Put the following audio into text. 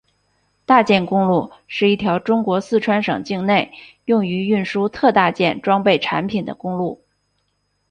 大件公路是一条中国四川省境内用于运输特大件装备产品的公路。